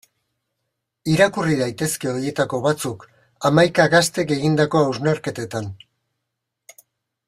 Irakurri daitezke horietako batzuk, hamaika gaztek egindako hausnarketetan.